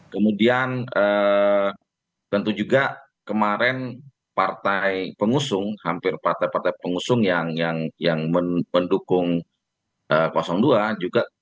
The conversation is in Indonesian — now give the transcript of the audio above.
kemudian tentu juga kemarin partai pengusung hampir partai partai pengusung yang mendukung dua juga